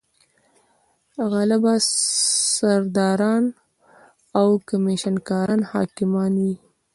غله به سرداران او کمېشن کاران حاکمان وي.